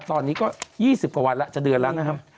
ตอนนี้ก็๒๐กว่าวันแล้วจะเดือนแล้วนะครับ